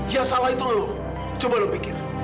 ya salah itu lo coba lo pikir